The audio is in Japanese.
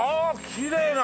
きれいな。